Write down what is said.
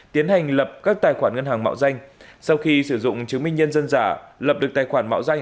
tiến hành lập các tài khoản ngân hàng mạo danh sau khi sử dụng chứng minh nhân dân giả lập được tài khoản mạo danh